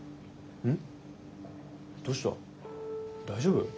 大丈夫？